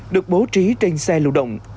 được bố trí trên xe lưu động